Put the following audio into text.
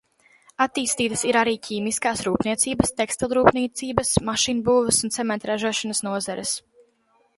Attīstītas ir arī ķīmiskās rūpniecības, tekstilrūpniecības, mašīnbūves un cementa ražošanas nozares.